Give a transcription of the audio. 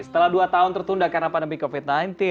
setelah dua tahun tertunda karena pandemi covid sembilan belas